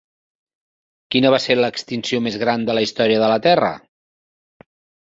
Quina va ser l'extinció més gran de la història de la Terra?